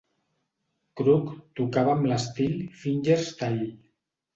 Crook tocava amb l'estil "fingerstyle".